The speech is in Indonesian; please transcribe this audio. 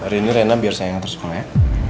hari ini rena biar saya yang antar sekolah ya